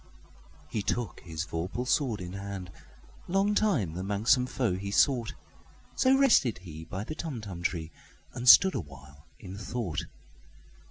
He took his vorpal sword in hand:Long time the manxome foe he sought—So rested he by the Tumtum tree, And stood awhile in thought.